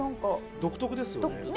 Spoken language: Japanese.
独特ですよね。